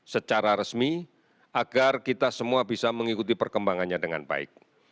secara resmi agar kita semua bisa mengikuti perkembangannya dengan baik